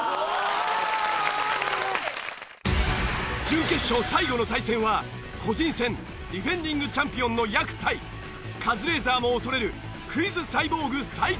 準決勝最後の対戦は個人戦ディフェンディングチャンピオンのやく対カズレーザーも恐れるクイズサイボーグ才木。